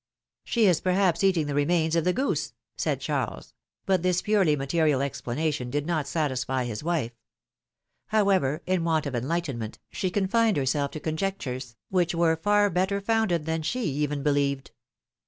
^^She is perhaps eating the remains of the goose said Charles; but this purely material explanation did not satisfy his wife. However, in want of enlightenment, she confined herself to conjectures, which were far better founded than she even believed.